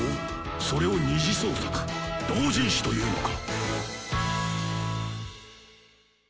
それを「二次創作」「同人誌」と言うのか。